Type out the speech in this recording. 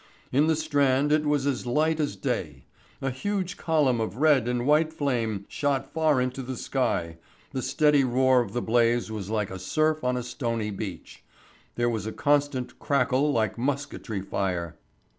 In the Strand it was as light as day. A huge column of red and white flame shot far into the sky, the steady roar of the blaze was like surf on a stony beach. There was a constant crackle like musketry fire.